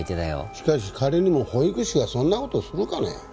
しかし仮にも保育士がそんな事をするかね？